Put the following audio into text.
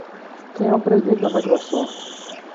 Quem é o presidente da Microsoft?